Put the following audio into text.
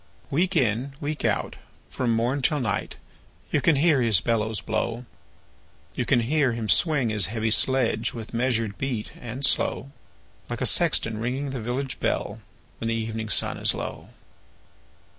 Week in, week out, from morn till night, You can hear his bellows blow; You can hear him swing his heavy sledge, With measured beat and slow, Like a sexton ringing the village bell, When the evening sun is low.